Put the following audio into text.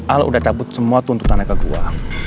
al udah cabut semua tuntutannya ke gue